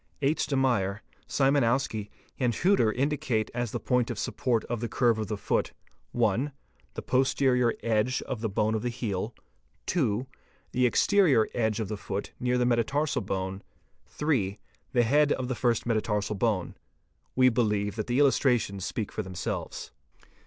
H. de Meyer®®, Szymanowskt®", and Heuter®®, indicate as the point of support of the curve of the foot: (1) the posterior edge of the bone of the heel; (2) the exterior edge of the foot near the metatarsal bone; (8) the head of the first metatarsal bone. We believe that the illustrations speak for themselves.